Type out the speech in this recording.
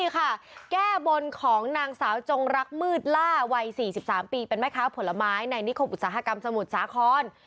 แก้บนของนางสาวจงรักมืดล่าวัย๔๓ปีเป็นแม่ค้าผลไม้ในนิคมอุตสาหกรรมสมุทรสาคร